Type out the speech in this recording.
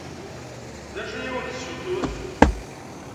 D acu i awen-d-tessuter?